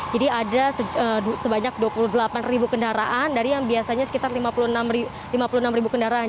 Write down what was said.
jadi ada sebanyak dua puluh delapan ribu kendaraan dari yang biasanya sekitar lima puluh enam ribu kendaraan